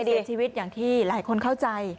เสียชีวิตอย่างที่หลายคนเข้าใจ